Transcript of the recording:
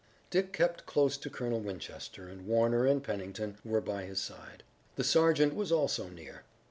Dick kept close to Colonel Winchester and Warner and Pennington were by his side. The sergeant was also near.